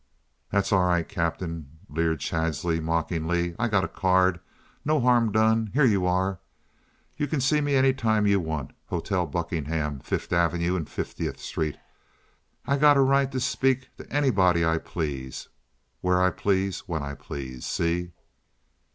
"Tha's all right, Captain," leered Chadsey, mockingly. "I got a card. No harm done. Here you are. You c'n see me any time you want—Hotel Buckingham, Fifth Avenue and Fiftieth Street. I got a right to speak to anybody I please, where I please, when I please. See?"